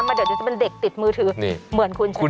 นั่นมาเดี๋ยวจะเป็นเด็กติดมือถือเหมือนคุณใช่ไหม